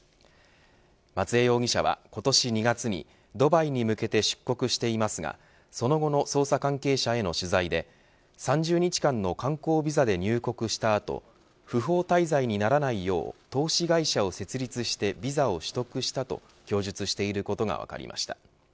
松江容疑者は、今年２月にドバイに向けて出国していますがその後の捜査関係者への取材で３０日間の観光ビザで入国した後不法滞在にならないよう投資会社を設立してビザを取得したと供述していることが分かりました。